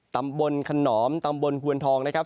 ตำบลขนอมตำบลควนทองนะครับ